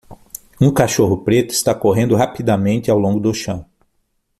Um cachorro preto está correndo rapidamente ao longo do chão